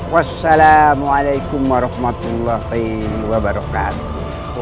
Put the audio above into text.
wassalamualaikum warahmatullahi wabarakatuh